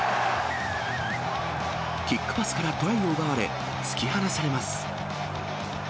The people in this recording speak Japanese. キックパスからトライを奪われ、突き放されます。